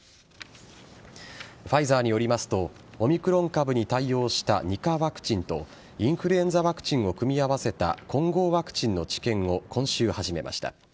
ファイザーによりますとオミクロン株に対応した２価ワクチンとインフルエンザワクチンを組み合わせた混合ワクチンの治験を今週始めました。